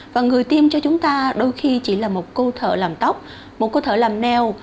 và người tiêm cho chúng ta đôi khi chỉ là một cô thợ làm tóc một cô thợ làm neo